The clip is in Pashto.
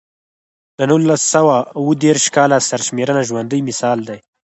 د نولس سوه اووه دېرش کال سرشمېرنه ژوندی مثال دی.